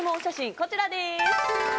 こちらです。